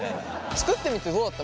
作ってみてどうだった？